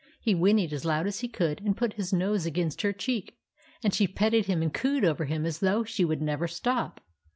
He whinnied as loud as he could, and put his nose against her cheek ; and she petted him and cooed over him as though she would never stop.